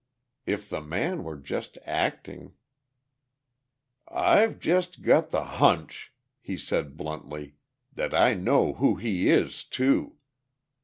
If the man were just acting.... "I've just got the hunch," he said bluntly, "that I know who he is, too.